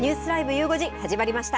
ゆう５時、始まりました。